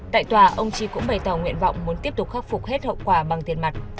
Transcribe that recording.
tại tòa ông chi cũng bày tỏ nguyện vọng muốn tiếp tục khắc phục hết hậu quả bằng tiền mặt